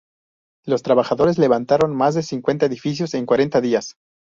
Los trabajadores levantaron más de cincuenta edificios en cuarenta días.